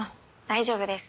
大丈夫です。